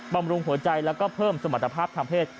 บำรุงหัวใจแล้วก็เพิ่มสมรรถภาพทางเพศ